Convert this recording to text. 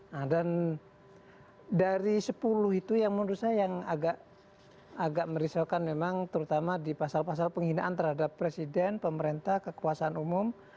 nah dan dari sepuluh itu yang menurut saya yang agak merisaukan memang terutama di pasal pasal penghinaan terhadap presiden pemerintah kekuasaan umum